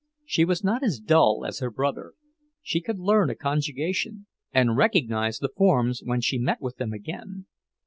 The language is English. She was not as dull as her brother; she could learn a conjugation and recognize the forms when she met with them again.